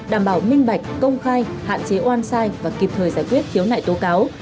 đảm bảo minh bạch công khai hạn chế oan sai và kịp thời giải quyết khiếu nại tố cáo